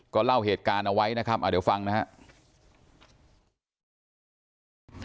ก็เล่าเหตุการณ์เอาไว้นะครับเดี๋ยวฟังนะครับ